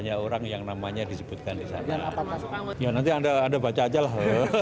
ya nanti anda baca aja lah